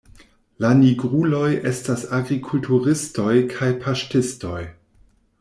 La nigruloj estas agrikulturistoj kaj paŝtistoj.